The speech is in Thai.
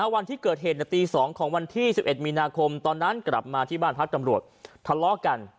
วันที่เกิดเหตุในตี๒ของวันที่๑๑มีนาคมตอนนั้นกลับมาที่บ้านพักตำรวจทะเลาะกัน